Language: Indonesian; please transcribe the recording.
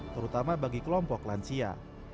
terutama bagi kelompok lansia